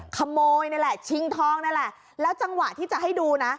ขโมยนี่แหละชิงทองนั่นแหละแล้วจังหวะที่จะให้ดูนะ